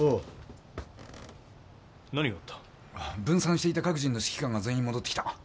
分散していた各陣の指揮官が全員戻ってきた。